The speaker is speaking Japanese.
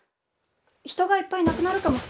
人がいっぱい亡くなるかも。